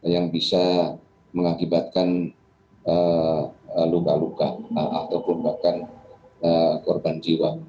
yang bisa mengakibatkan luka luka ataupun bahkan korban jiwa